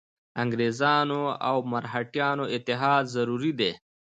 انګرېزانو او مرهټیانو اتحاد ضروري دی.